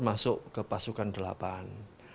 masuk ke pasukan delapan